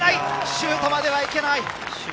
シュートまではいけない。